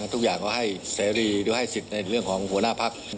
ทุกอย่างก็ให้เสรีโดยให้สิทธิ์ในเรื่องของหัวหน้าพัก